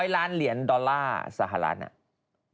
๑๐๐ล้านเหรียญดอลลาร์สหรัฐนั้น